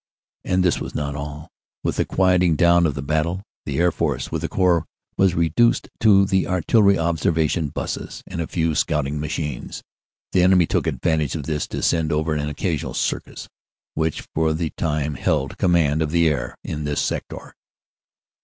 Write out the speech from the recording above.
And this was not all. With the quieting down of the battle, the air force with the Corps was reduced to the artillery observ ation "busses" and a few scouting machines. The enemy took advantage of this to send over an occasional "circus" which for the time held command of the air in this sector.